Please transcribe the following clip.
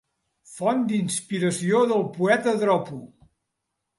Font d'inspiració del poeta dropo.